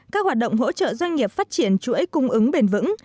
các hoạt động hỗ trợ doanh nghiệp phát triển chuỗi cung ứng bền vững